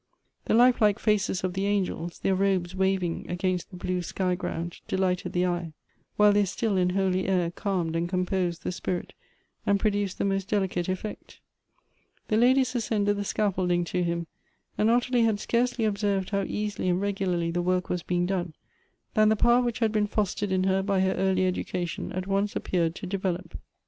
The life like faces of the angels, their robes waving against the blue sky ground, delighted the eye, while Elective Affinities. 1C7 their still and holy air calmed and composed the spirit, and produced the most delicate eflfect. The ladies ascended the scaffolding to him, and Ottilie had scarcely observed how easily and regularly the work was being done, than the power which had been fostered in her by her early education at once appeared to develop.